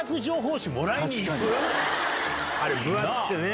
あれ分厚くてね